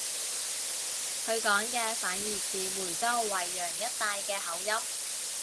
佢講嘅反而似梅州惠陽一帶嘅口音